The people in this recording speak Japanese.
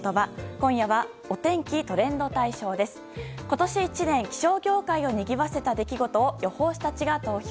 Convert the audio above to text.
今年１年気象業界をにぎわせた出来事を予報士たちが投票。